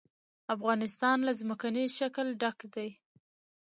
افغانستان له ځمکنی شکل ډک دی.